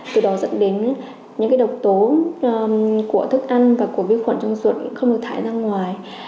từ đó dẫn đến những độc tố của thức ăn và của vi khuẩn trong ruột không được thải ra ngoài